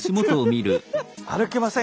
歩けません。